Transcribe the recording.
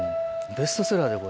ベストセラーだよ